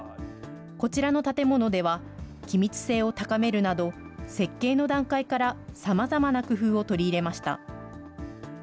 こちらの建物では、気密性を高めるなど、設計の段階からさまざまな工夫を取り入れました。